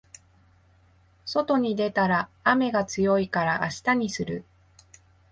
外に出たら雨が強いから明日にする